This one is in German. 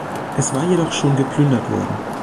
Es war jedoch schon geplündert worden.